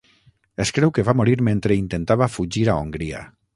Es creu que va morir mentre intentava fugir a Hongria.